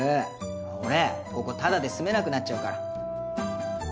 俺ここタダで住めなくなっちゃうから。